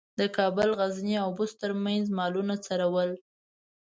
د کابل، غزني او بُست ترمنځ مالونه څرول.